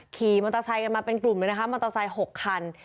ขี่มอเตอร์ไซค์กันมาเป็นกลุ่มเลยนะคะมอเตอร์ไซค์๖คัน